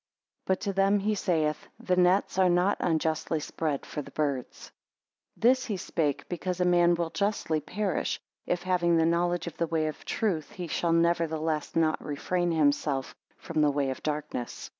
5 But to them he saith; The nets are not unjustly spread for the birds. 6 This he spake, because a man will justly perish, if having the knowledge of the way of truth, he shall nevertheless not refrain himself from the way of darkness.